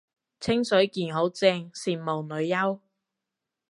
清水健好正，羨慕女優